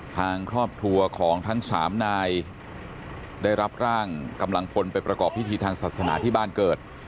ทางครอบครัวของทั้งสามนายได้รับร่างกำลังพลไปประกอบพิธีทางศาสนาที่บ้านเกิด